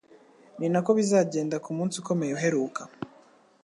Ni nako bizagenda ku munsi ukomeye uheruka,